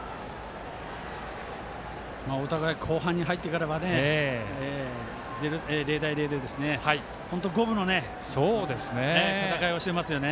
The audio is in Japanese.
お互い後半に入ってからは０対０で五分の戦いをしていますよね。